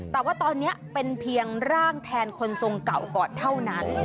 แต่ว่าตอนนี้เป็นเพียงร่างแทนคนทรงเก่าก่อนเท่านั้น